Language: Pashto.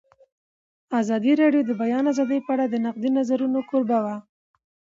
ازادي راډیو د د بیان آزادي په اړه د نقدي نظرونو کوربه وه.